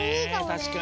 たしかに。